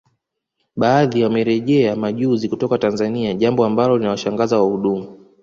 Baadhi wamerejea majuzi kutoka Tanzania jambo ambalo linawashangaza wahudumu